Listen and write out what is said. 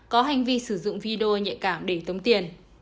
có hành vi sử dụng video nhạy cảm để tống tiền